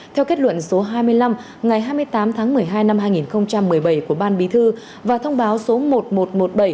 theo kết luận số hai mươi năm ngày hai mươi tám tháng một mươi hai năm hai nghìn một mươi bảy của ban bí thư và thông báo số một